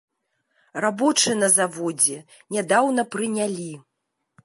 Рабочы на заводзе, нядаўна прынялі.